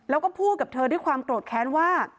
แล้วก็พูดกับเธอด้วยความโกรธแค้นว่า